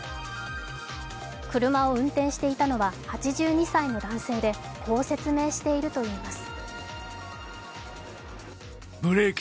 車を運転していたのは８２歳の男性でこう説明しているといいます。